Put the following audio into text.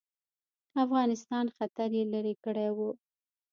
افغانستان خطر یې لیري کړی وو.